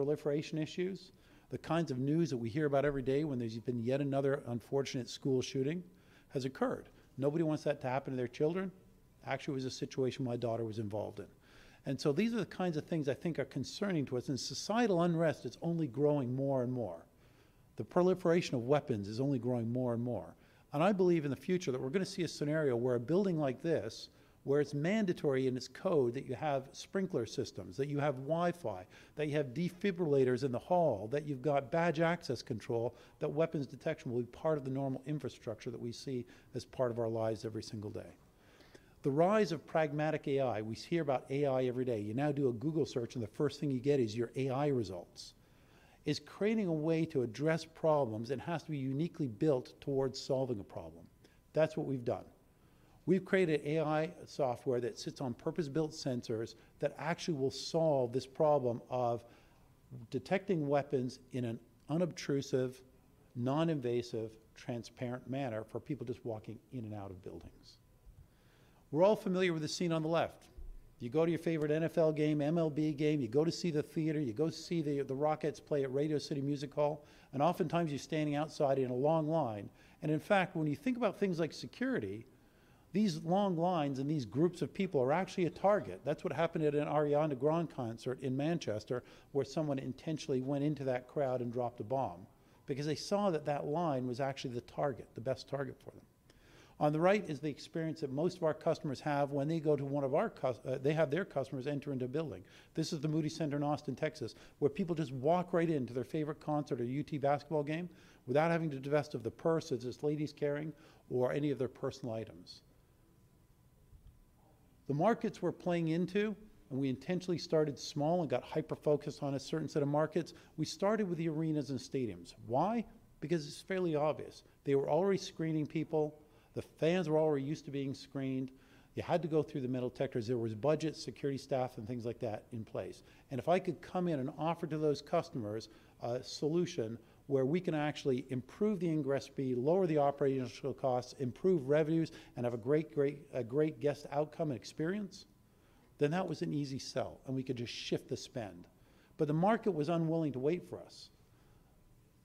Proliferation issues, the kinds of news that we hear about every day when there's been yet another unfortunate school shooting has occurred. Nobody wants that to happen to their children. Actually, it was a situation my daughter was involved in, and so these are the kinds of things I think are concerning to us, and societal unrest is only growing more and more. The proliferation of weapons is only growing more and more, and I believe in the future that we're going to see a scenario where a building like this, where it's mandatory in its code that you have sprinkler systems, that you have Wi-Fi, that you have defibrillators in the hall, that you've got badge access control, that weapons detection will be part of the normal infrastructure that we see as part of our lives every single day. The rise of Pragmatic AI. We hear about AI every day. You now do a Google search, and the first thing you get is your AI results. It's creating a way to address problems that has to be uniquely built towards solving a problem. That's what we've done. We've created AI software that sits on purpose-built sensors that actually will solve this problem of detecting weapons in an unobtrusive, non-invasive, transparent manner for people just walking in and out of buildings. We're all familiar with the scene on the left. You go to your favorite NFL game, MLB game, you go to see the theater, you go to see the Rockettes play at Radio City Music Hall, and oftentimes you're standing outside in a long line. In fact, when you think about things like security, these long lines and these groups of people are actually a target. That's what happened at an Ariana Grande concert in Manchester, where someone intentionally went into that crowd and dropped a bomb because they saw that that line was actually the target, the best target for them. On the right is the experience that most of our customers have when they go to one of our customers enter into a building. This is the Moody Center in Austin, Texas, where people just walk right into their favorite concert or UT basketball game without having to divest of the purse that this lady's carrying or any of their personal items. The markets we're playing into, and we intentionally started small and got hyper-focused on a certain set of markets. We started with the arenas and stadiums. Why? Because it's fairly obvious. They were already screening people. The fans were already used to being screened. You had to go through the metal detectors because there was budget, security staff, and things like that in place, and if I could come in and offer to those customers a solution where we can actually improve the ingress speed, lower the operational costs, improve revenues, and have a great, great, great guest outcome and experience, then that was an easy sell, and we could just shift the spend, but the market was unwilling to wait for us.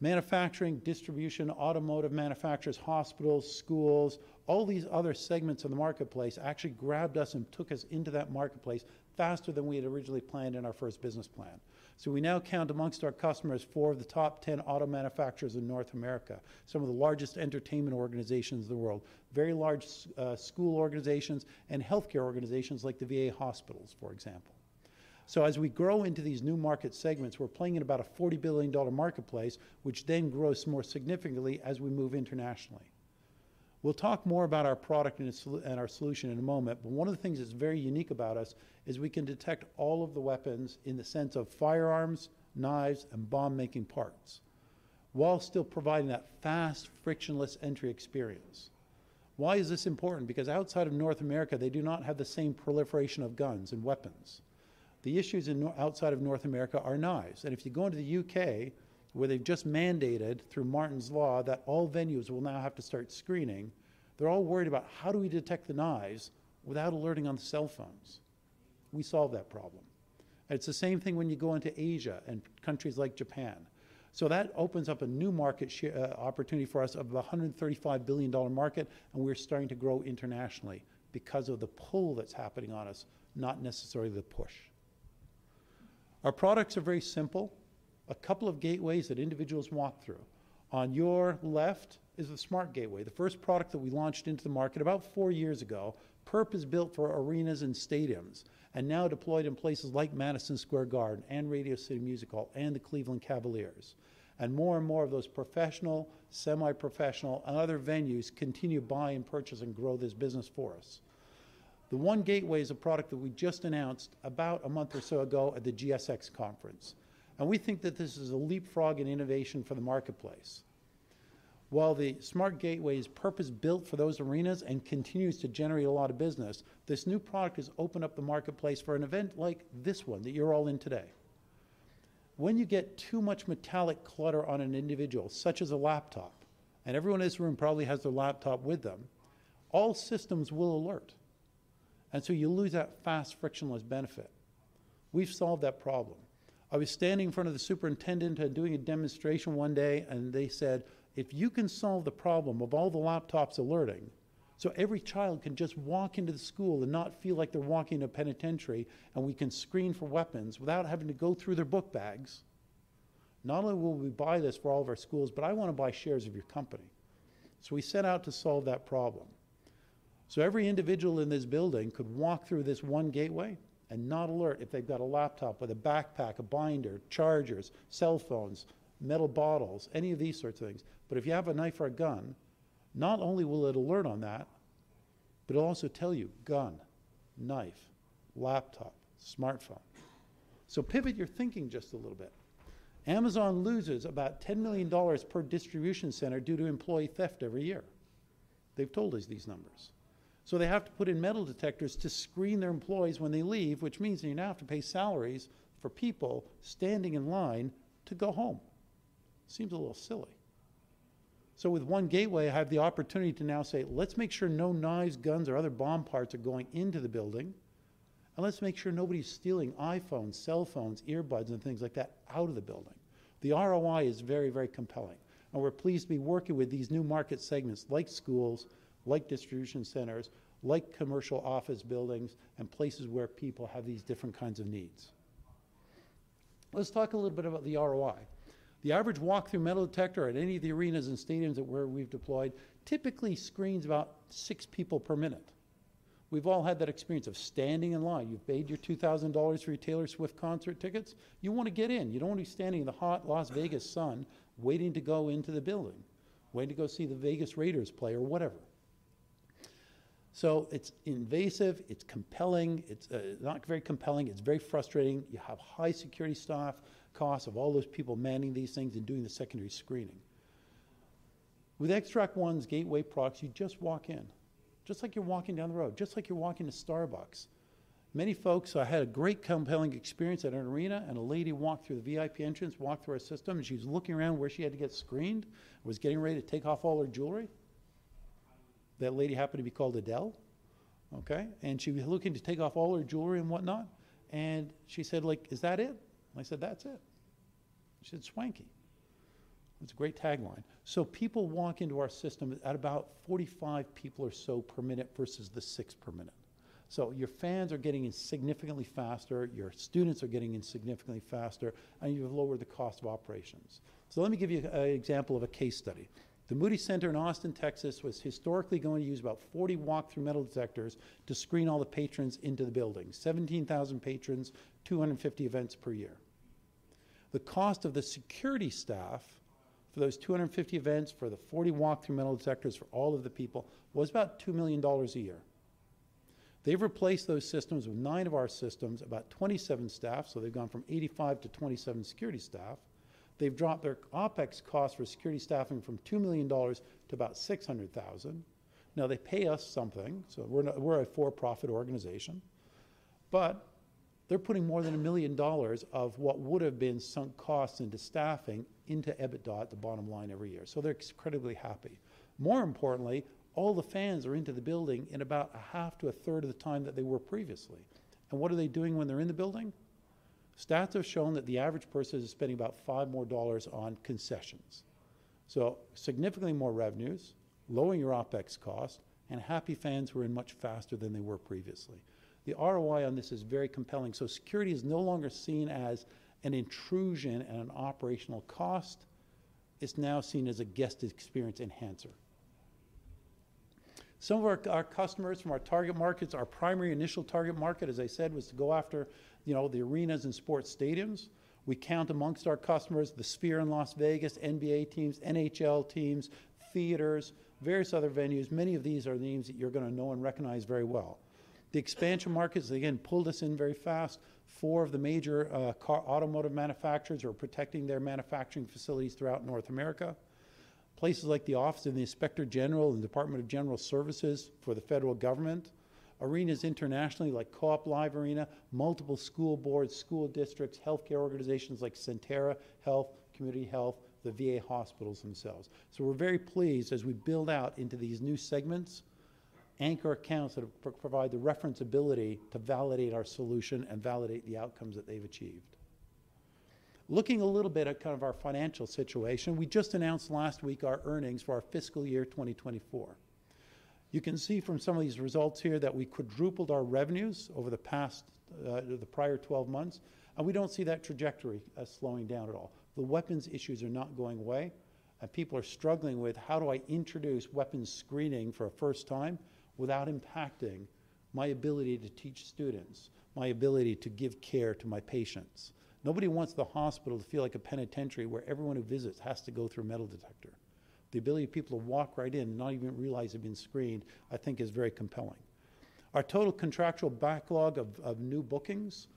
Manufacturing, distribution, automotive manufacturers, hospitals, schools, all these other segments of the marketplace actually grabbed us and took us into that marketplace faster than we had originally planned in our first business plan. So we now count amongst our customers four of the top 10 auto manufacturers in North America, some of the largest entertainment organizations in the world, very large school organizations, and healthcare organizations like the VA hospitals, for example. So as we grow into these new market segments, we're playing in about a $40 billion marketplace, which then grows more significantly as we move internationally. We'll talk more about our product and our solution in a moment, but one of the things that's very unique about us is we can detect all of the weapons in the sense of firearms, knives, and bomb-making parts while still providing that fast, frictionless entry experience. Why is this important? Because outside of North America, they do not have the same proliferation of guns and weapons. The issues outside of North America are knives. And if you go into the U.K., where they've just mandated through Martyn's Law that all venues will now have to start screening, they're all worried about how do we detect the knives without alerting on the cell phones. We solve that problem. And it's the same thing when you go into Asia and countries like Japan. So that opens up a new market opportunity for us of a $135 billion market, and we're starting to grow internationally because of the pull that's happening on us, not necessarily the push. Our products are very simple. A couple of gateways that individuals walk through. On your left is the SmartGateway, the first product that we launched into the market about four years ago. Purpose-built for arenas and stadiums and now deployed in places like Madison Square Garden and Radio City Music Hall and the Cleveland Cavaliers. More and more of those professional, semi-professional, and other venues continue buying, purchasing, and growing this business for us. The One Gateway is a product that we just announced about a month or so ago at the GSX Conference. We think that this is a leapfrog in innovation for the marketplace. While the SmartGateway is purpose-built for those arenas and continues to generate a lot of business, this new product has opened up the marketplace for an event like this one that you're all in today. When you get too much metallic clutter on an individual, such as a laptop, and everyone in this room probably has their laptop with them, all systems will alert. You lose that fast, frictionless benefit. We've solved that problem. I was standing in front of the superintendent and doing a demonstration one day, and they said, "If you can solve the problem of all the laptops alerting so every child can just walk into the school and not feel like they're walking in a penitentiary and we can screen for weapons without having to go through their book bags, not only will we buy this for all of our schools, but I want to buy shares of your company." So we set out to solve that problem. So every individual in this building could walk through this One Gateway and not alert if they've got a laptop with a backpack, a binder, chargers, cell phones, metal bottles, any of these sorts of things. If you have a knife or a gun, not only will it alert on that, but it'll also tell you, "Gun, knife, laptop, smartphone." So pivot your thinking just a little bit. Amazon loses about $10 million per distribution center due to employee theft every year. They've told us these numbers. So they have to put in metal detectors to screen their employees when they leave, which means they now have to pay salaries for people standing in line to go home. Seems a little silly. So with One Gateway, I have the opportunity to now say, "Let's make sure no knives, guns, or other bomb parts are going into the building, and let's make sure nobody's stealing iPhones, cell phones, earbuds, and things like that out of the building." The ROI is very, very compelling. We're pleased to be working with these new market segments like schools, like distribution centers, like commercial office buildings, and places where people have these different kinds of needs. Let's talk a little bit about the ROI. The average walk-through metal detector at any of the arenas and stadiums where we've deployed typically screens about six people per minute. We've all had that experience of standing in line. You've paid your $2,000 for your Taylor Swift concert tickets. You want to get in. You don't want to be standing in the hot Las Vegas sun waiting to go into the building, waiting to go see the Las Vegas Raiders play or whatever. So it's invasive. It's compelling. It's not very compelling. It's very frustrating. You have high security staff, costs of all those people manning these things and doing the secondary screening. With Xtract One's Gateway products, you just walk in, just like you're walking down the road, just like you're walking to Starbucks. Many folks had a great compelling experience at an arena, and a lady walked through the VIP entrance, walked through our system, and she was looking around where she had to get screened, was getting ready to take off all her jewelry. That lady happened to be called Adele. Okay? And she was looking to take off all her jewelry and whatnot. And she said, "Is that it?" And I said, "That's it." She said, "swanky." It was a great tagline. So people walk into our system at about 45 people or so per minute versus the six per minute. So your fans are getting in significantly faster. Your students are getting in significantly faster, and you've lowered the cost of operations. So let me give you an example of a case study. The Moody Center in Austin, Texas, was historically going to use about 40 walk-through metal detectors to screen all the patrons into the building. 17,000 patrons, 250 events per year. The cost of the security staff for those 250 events, for the 40 walk-through metal detectors for all of the people, was about $2 million a year. They've replaced those systems with nine of our systems, about 27 staff, so they've gone from 85 to 27 security staff. They've dropped their OpEx cost for security staffing from $2 million to about $600,000. Now, they pay us something, so we're a for-profit organization. But they're putting more than $1 million of what would have been sunk costs into EBITDA at the bottom line every year. So they're incredibly happy. More importantly, all the fans are into the building in about a half to a third of the time that they were previously. And what are they doing when they're in the building? Stats have shown that the average person is spending about $5 more on concessions. So significantly more revenues, lowering your OpEx cost, and happy fans were in much faster than they were previously. The ROI on this is very compelling. So security is no longer seen as an intrusion and an operational cost. It's now seen as a guest experience enhancer. Some of our customers from our target markets, our primary initial target market, as I said, was to go after the arenas and sports stadiums. We count amongst our customers The Sphere in Las Vegas, NBA teams, NHL teams, theaters, various other venues. Many of these are names that you're going to know and recognize very well. The expansion markets, again, pulled us in very fast. Four of the major automotive manufacturers are protecting their manufacturing facilities throughout North America. Places like the Office of the Inspector General and the Department of General Services for the federal government. Arenas internationally like Co-op Live, multiple school boards, school districts, healthcare organizations like Sentara Health, Community Health, the VA hospitals themselves. So we're very pleased as we build out into these new segments, anchor accounts that provide the reference ability to validate our solution and validate the outcomes that they've achieved. Looking a little bit at kind of our financial situation, we just announced last week our earnings for our fiscal year 2024. You can see from some of these results here that we quadrupled our revenues over the past, the prior 12 months, and we don't see that trajectory slowing down at all. The weapons issues are not going away, and people are struggling with, "How do I introduce weapons screening for a first time without impacting my ability to teach students, my ability to give care to my patients?" Nobody wants the hospital to feel like a penitentiary where everyone who visits has to go through a metal detector. The ability of people to walk right in and not even realize they've been screened, I think, is very compelling. Our total contractual backlog of new bookings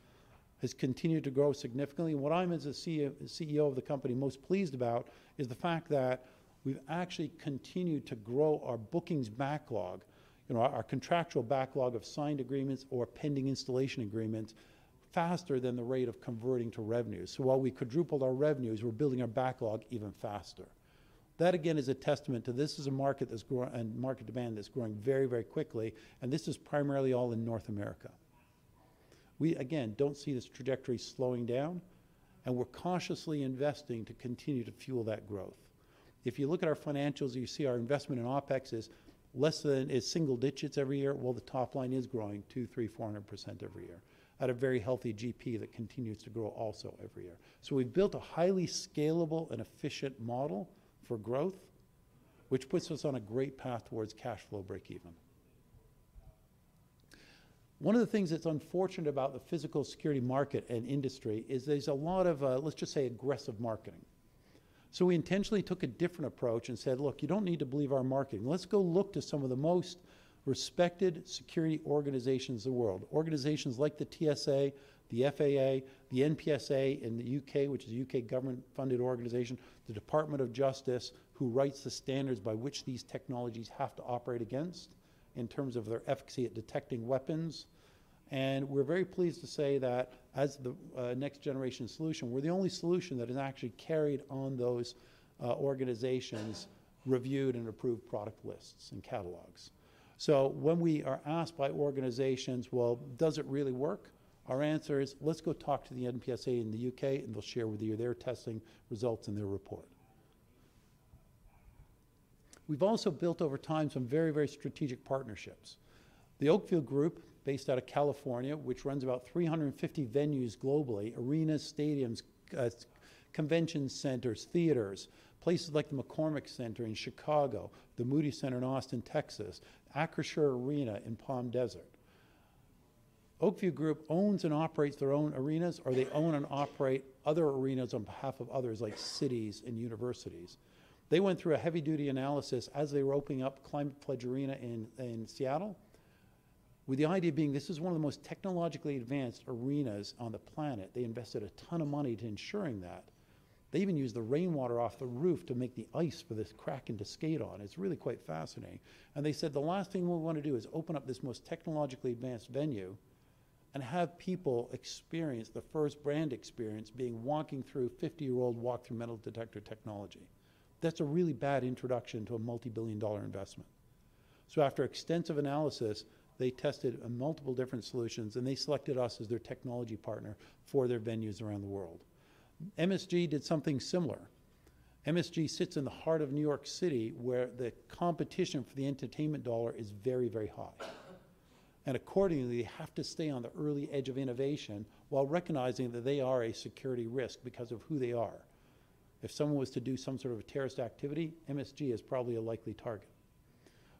has continued to grow significantly. What I'm, as a CEO of the company, most pleased about is the fact that we've actually continued to grow our bookings backlog, our contractual backlog of signed agreements or pending installation agreements faster than the rate of converting to revenue. So while we quadrupled our revenues, we're building our backlog even faster. That, again, is a testament to this is a market that's growing and market demand that's growing very, very quickly, and this is primarily all in North America. We, again, don't see this trajectory slowing down, and we're cautiously investing to continue to fuel that growth. If you look at our financials, you see our investment in OpEx is less than single digits every year. The top line is growing 2%, 3%, 400% every year at a very healthy GP that continues to grow also every year. So we've built a highly scalable and efficient model for growth, which puts us on a great path towards cash flow breakeven. One of the things that's unfortunate about the physical security market and industry is there's a lot of, let's just say, aggressive marketing. So we intentionally took a different approach and said, "Look, you don't need to believe our marketing. Let's go look to some of the most respected security organizations in the world, organizations like the TSA, the FAA, the NPSA in the U.K., which is a U.K. government-funded organization, the Department of Justice, who writes the standards by which these technologies have to operate against in terms of their efficacy at detecting weapons." And we're very pleased to say that as the next generation solution, we're the only solution that has actually carried on those organizations' reviewed and approved product lists and catalogs. When we are asked by organizations, "Well, does it really work?" our answer is, "Let's go talk to the NPSA in the U.K., and they'll share with you their testing results and their report." We've also built over time some very, very strategic partnerships. The Oak View Group, based out of California, which runs about 350 venues globally, arenas, stadiums, convention centers, theaters, places like the McCormick Place in Chicago, the Moody Center in Austin, Texas, Acrisure Arena in Palm Desert. Oak View Group owns and operates their own arenas, or they own and operate other arenas on behalf of others like cities and universities. They went through a heavy-duty analysis as they were opening up Climate Pledge Arena in Seattle, with the idea being, "This is one of the most technologically advanced arenas on the planet." They invested a ton of money to ensuring that. They even used the rainwater off the roof to make the ice for this rink to skate on. It's really quite fascinating, and they said, "The last thing we want to do is open up this most technologically advanced venue and have people experience the first brand experience being walking through 50-year-old walk-through metal detector technology." That's a really bad introduction to a multi-billion-dollar investment, so after extensive analysis, they tested multiple different solutions, and they selected us as their technology partner for their venues around the world. MSG did something similar. MSG sits in the heart of New York City, where the competition for the entertainment dollar is very, very high, and accordingly, they have to stay on the leading edge of innovation while recognizing that they are a security risk because of who they are. If someone was to do some sort of a terrorist activity, MSG is probably a likely target.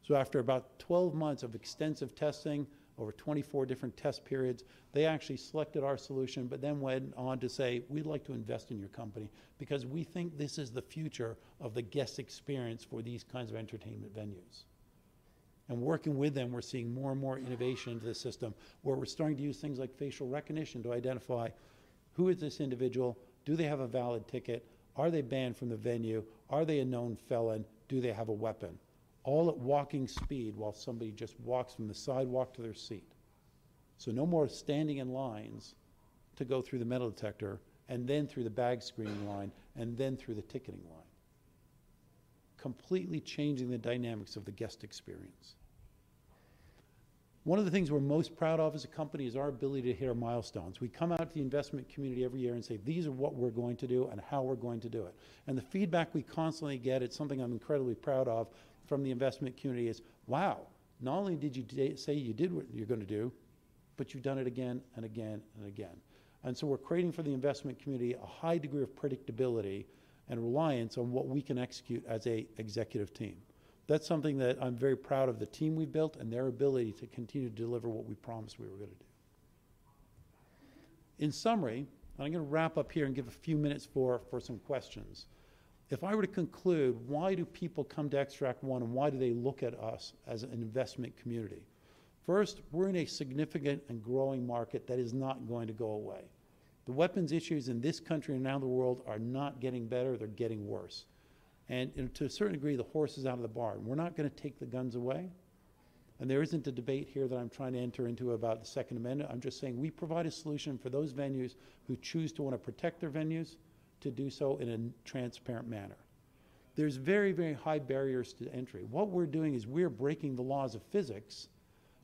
So after about 12 months of extensive testing, over 24 different test periods, they actually selected our solution, but then went on to say, "We'd like to invest in your company because we think this is the future of the guest experience for these kinds of entertainment venues," and working with them, we're seeing more and more innovation into the system where we're starting to use things like facial recognition to identify, "Who is this individual? Do they have a valid ticket? Are they banned from the venue? Are they a known felon? Do they have a weapon?" All at walking speed while somebody just walks from the sidewalk to their seat. No more standing in lines to go through the metal detector and then through the bag screening line and then through the ticketing line. Completely changing the dynamics of the guest experience. One of the things we're most proud of as a company is our ability to hit our milestones. We come out to the investment community every year and say, "These are what we're going to do and how we're going to do it," and the feedback we constantly get, it's something I'm incredibly proud of from the investment community, is, "Wow, not only did you say you did what you're going to do, but you've done it again and again and again." So we're creating for the investment community a high degree of predictability and reliance on what we can execute as an executive team. That's something that I'm very proud of the team we've built and their ability to continue to deliver what we promised we were going to do. In summary, and I'm going to wrap up here and give a few minutes for some questions. If I were to conclude, why do people come to Xtract One and why do they look at us as an investment community? First, we're in a significant and growing market that is not going to go away. The weapons issues in this country and around the world are not getting better. They're getting worse. And to a certain degree, the horse is out of the barn. We're not going to take the guns away. And there isn't a debate here that I'm trying to enter into about the Second Amendment. I'm just saying we provide a solution for those venues who choose to want to protect their venues to do so in a transparent manner. There's very, very high barriers to entry. What we're doing is we're breaking the laws of physics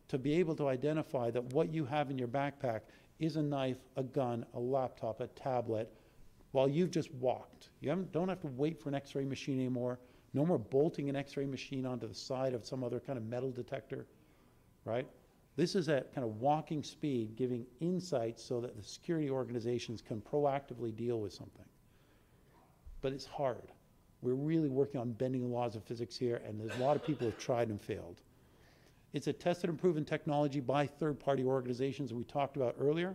to be able to identify that what you have in your backpack is a knife, a gun, a laptop, a tablet while you've just walked. You don't have to wait for an X-ray machine anymore. No more bolting an X-ray machine onto the side of some other kind of metal detector. Right? This is at kind of walking speed, giving insight so that the security organizations can proactively deal with something. But it's hard. We're really working on bending the laws of physics here, and there's a lot of people who have tried and failed. It's a tested and proven technology by third-party organizations we talked about earlier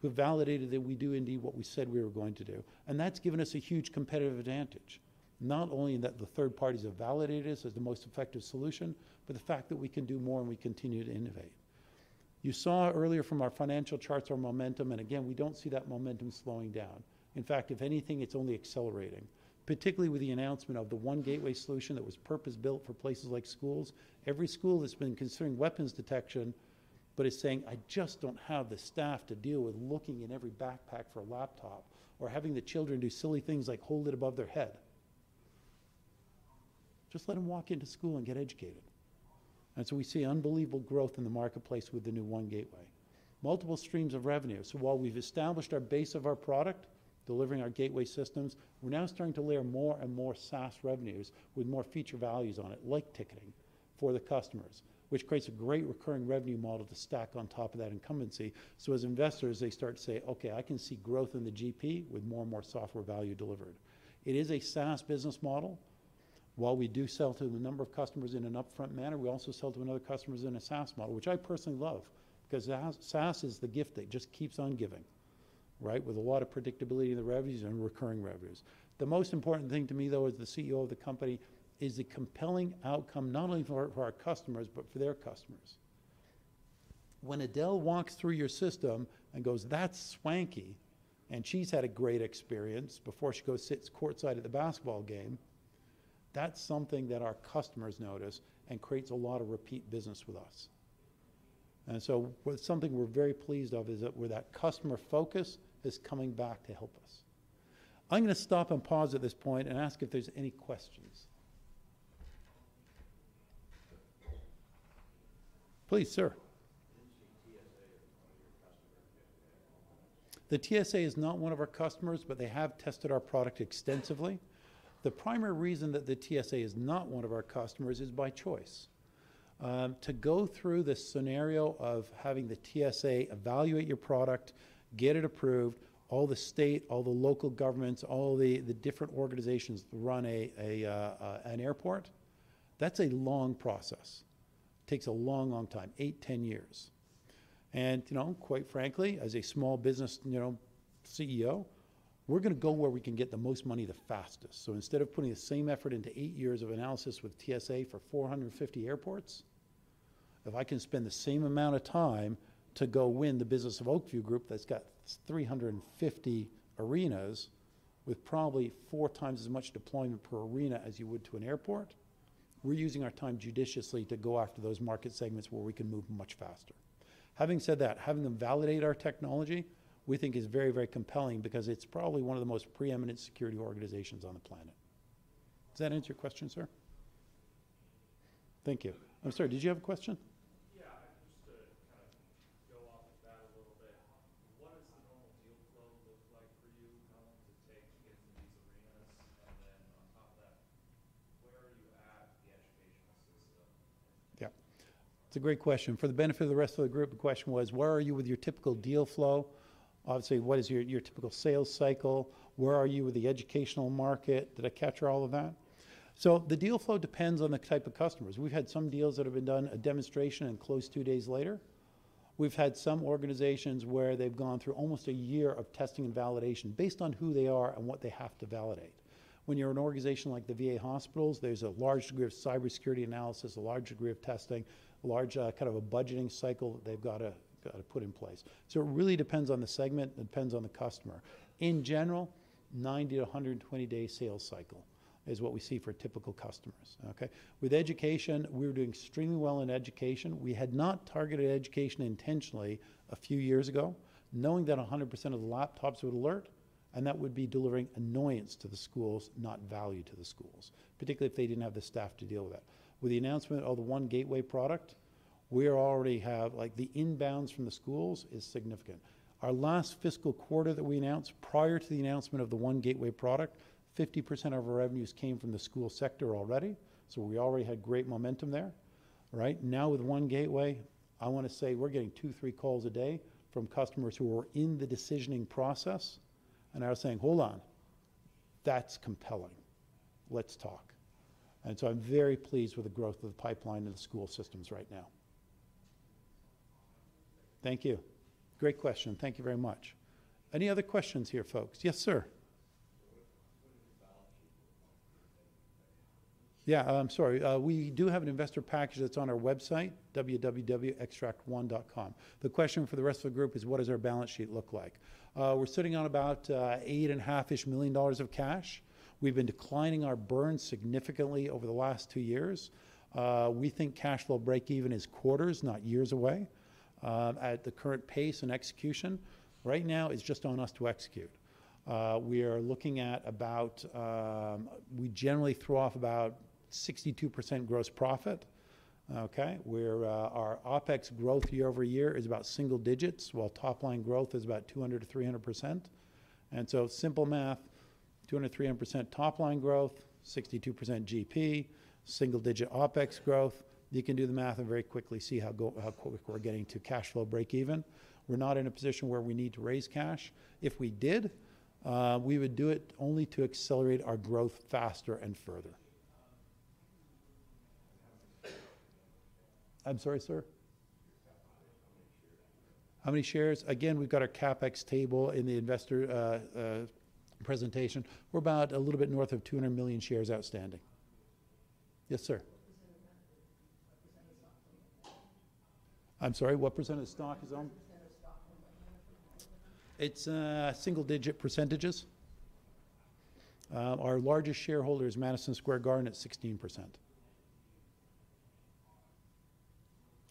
who validated that we do indeed what we said we were going to do. And that's given us a huge competitive advantage, not only in that the third parties have validated us as the most effective solution, but the fact that we can do more and we continue to innovate. You saw earlier from our financial charts our momentum. And again, we don't see that momentum slowing down. In fact, if anything, it's only accelerating, particularly with the announcement of the One Gateway solution that was purpose-built for places like schools. Every school has been considering weapons detection, but is saying, "I just don't have the staff to deal with looking in every backpack for a laptop or having the children do silly things like hold it above their head. Just let them walk into school and get educated," and so we see unbelievable growth in the marketplace with the new One Gateway. Multiple streams of revenue. While we've established our base of our product, delivering our gateway systems, we're now starting to layer more and more SaaS revenues with more feature values on it, like ticketing for the customers, which creates a great recurring revenue model to stack on top of that incumbency. As investors, they start to say, "Okay, I can see growth in the GP with more and more software value delivered." It is a SaaS business model. While we do sell to a number of customers in an upfront manner, we also sell to other customers in a SaaS model, which I personally love because SaaS is the gift that just keeps on giving, right, with a lot of predictability in the revenues and recurring revenues. The most important thing to me, though, as the CEO of the company, is the compelling outcome not only for our customers, but for their customers. When Adele walks through your system and goes, "That's swanky," and she's had a great experience before she goes sit courtside at the basketball game, that's something that our customers notice and creates a lot of repeat business with us, and so something we're very pleased of is that where that customer focus is coming back to help us. I'm going to stop and pause at this point and ask if there's any questions? Please, sir. The TSA is not one of our customers, but they have tested our product extensively. The primary reason that the TSA is not one of our customers is by choice. To go through the scenario of having the TSA evaluate your product, get it approved, all the state, all the local governments, all the different organizations that run an airport, that's a long process. It takes a long, long time, eight, 10 years. Quite frankly, as a small business CEO, we're going to go where we can get the most money the fastest. So instead of putting the same effort into eight years of analysis with TSA for 450 airports, if I can spend the same amount of time to go win the business of Oak View Group that's got 350 arenas with probably four times as much deployment per arena as you would to an airport, we're using our time judiciously to go after those market segments where we can move much faster. Having said that, having them validate our technology, we think is very, very compelling because it's probably one of the most preeminent security organizations on the planet. Does that answer your question, sir? Thank you. I'm sorry, did you have a question? Yeah. Just to kind of go off of that a little bit, what does the normal deal flow look like for you? How long does it take to get to these arenas? And then on top of that, where are you at with the educational system? Yeah. It's a great question. For the benefit of the rest of the group, the question was, where are you with your typical deal flow? Obviously, what is your typical sales cycle? Where are you with the educational market? Did I capture all of that? So the deal flow depends on the type of customers. We've had some deals that have been done a demonstration and closed two days later. We've had some organizations where they've gone through almost a year of testing and validation based on who they are and what they have to validate. When you're an organization like the VA hospitals, there's a large degree of cybersecurity analysis, a large degree of testing, a large kind of a budgeting cycle that they've got to put in place. It really depends on the segment. It depends on the customer. In general, a 90-120-day sales cycle is what we see for typical customers. Okay? With education, we were doing extremely well in education. We had not targeted education intentionally a few years ago, knowing that 100% of the laptops would alert, and that would be delivering annoyance to the schools, not value to the schools, particularly if they didn't have the staff to deal with that. With the announcement of the One Gateway product, we already have the inbounds from the schools is significant. Our last fiscal quarter that we announced prior to the announcement of the One Gateway product, 50% of our revenues came from the school sector already. So we already had great momentum there. Right? Now with One Gateway, I want to say we're getting two, three calls a day from customers who are in the decisioning process. And I was saying, "Hold on. That's compelling. Let's talk." And so I'm very pleased with the growth of the pipeline in the school systems right now. Thank you. Great question. Thank you very much. Any other questions here, folks? Yes, sir. Yeah. I'm sorry. We do have an investor package that's on our website, www.xtractone.com. The question for the rest of the group is, what does our balance sheet look like? We're sitting on about 8.5-ish million dollars of cash. We've been declining our burn significantly over the last two years. We think cash flow break-even is quarters, not years away. At the current pace and execution, right now, it's just on us to execute. We are looking at about we generally throw off about 62% gross profit. Okay? Our OpEx growth year over year is about single digits, while top-line growth is about 200%-300%. And so simple math, 200%-300% top-line growth, 62% GP, single-digit OpEx growth. You can do the math and very quickly see how quick we're getting to cash flow break-even. We're not in a position where we need to raise cash. If we did, we would do it only to accelerate our growth faster and further. I'm sorry, sir? How many shares? Again, we've got our CapEx table in the investor presentation. We're about a little bit north of 200 million shares outstanding. Yes, sir? I'm sorry? What percent of stock is owned? It's single-digit percentages. Our largest shareholder is Madison Square Garden at 16%.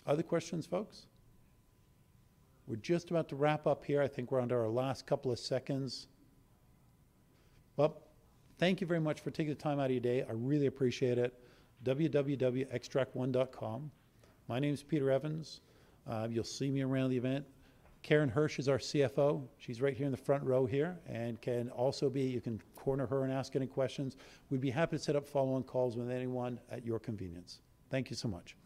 Other questions, folks? We're just about to wrap up here. I think we're under our last couple of seconds. Well, thank you very much for taking the time out of your day. I really appreciate it. www.xtractone.com. My name is Peter Evans. You'll see me around the event. Karen Hersh is our CFO. She's right here in the front row here and you can corner her and ask any questions. We'd be happy to set up follow-on calls with anyone at your convenience. Thank you so much.